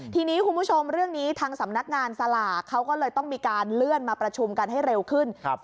ทีนี้คุณผู้ชมเรื่องนี้ทางสำนักงานสลากเขาก็เลยต้องมีการเลื่อนมาประชุมกันให้เร็วขึ้น